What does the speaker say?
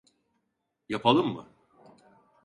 Yapalım mı?